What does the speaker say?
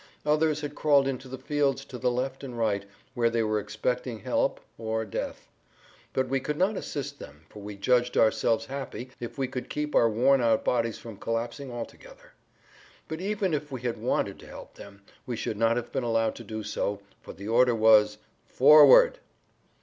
Others had crawled into the fields to the left and right, where they were expecting help or death. But we could not assist them for we judged ourselves happy if we could keep our worn out bodies from collapsing altogether. But even if we had wanted to help them we should not have been allowed to do so, for the order was "Forward!"